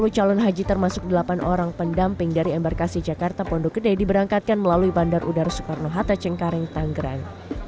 tiga ratus sembilan puluh calon haji termasuk delapan orang pendamping dari embarkasi jakarta pondokede diberangkatkan melalui bandar udara soekarno hatta cengkaring tanggerang